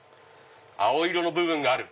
青色の部分がある。